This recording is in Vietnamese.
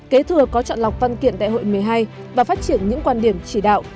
kế thừa có chọn lọc văn kiện đại hội một mươi hai và phát triển những quan điểm chỉ đạo